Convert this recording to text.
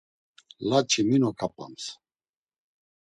Layç̌ik mis noǩap̌ams?